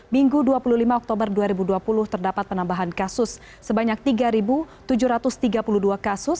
minggu dua puluh lima oktober dua ribu dua puluh terdapat penambahan kasus sebanyak tiga tujuh ratus tiga puluh dua kasus